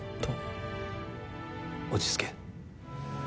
落ち着け。